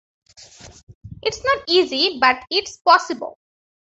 It’s not easy, but it’s possible.